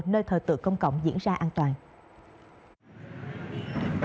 nơi thờ tự công cộng diễn ra an toàn